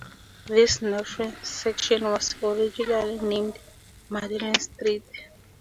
This northern section was originally named Madeline Street.